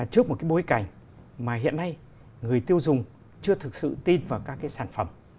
trước một cái bối cảnh mà hiện nay người tiêu dùng chưa thực sự tin vào các cái sản phẩm